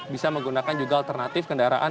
bisa menggunakan juga alternatif kendaraan